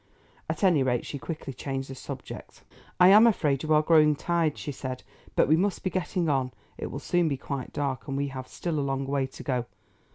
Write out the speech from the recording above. At any rate, she quickly changed the topic. "I am afraid you are growing tired," she said; "but we must be getting on. It will soon be quite dark and we have still a long way to go.